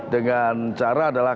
dengan cara adalah